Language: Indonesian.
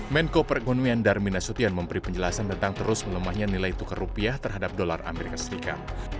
menko perekonomian darmin nasution memberi penjelasan tentang terus melemahnya nilai tukar rupiah terhadap dolar amerika serikat